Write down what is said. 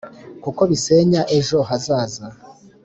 kuko bisenya ejo hazaza.